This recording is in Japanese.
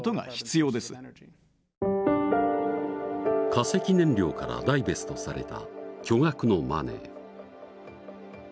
化石燃料からダイベストされた巨額のマネー。